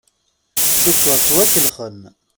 Cukkeɣ ttwakellexen.